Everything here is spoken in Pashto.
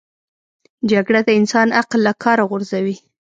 جګړه د انسان عقل له کاره غورځوي